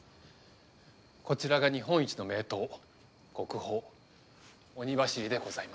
こちらが日本一の名刀国宝鬼走でございます。